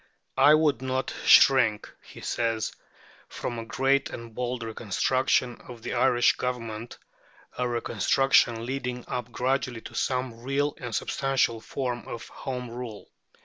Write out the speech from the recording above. "I would not shrink," he says, "from a great and bold reconstruction of the Irish Government," a reconstruction leading up gradually to some real and substantial form of Home Rule.